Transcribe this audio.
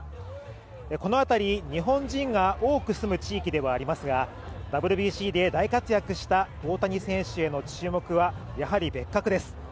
この辺り日本人が多く住む地域ではありますがＷＢＣで大活躍した大谷選手への注目はやはり別格です。